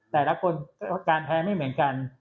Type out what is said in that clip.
แต่ละคนอาการแพ้ไม่เหมือนกัน